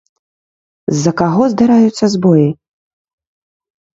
З-за каго здараюцца збоі?